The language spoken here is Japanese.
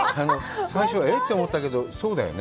最初はえっ？って思ったけどそうだよね。